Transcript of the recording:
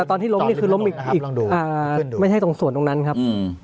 ตอนที่ล้มนี่คือล้มอีกอ่าไม่ใช่ตรงส่วนตรงนั้นครับ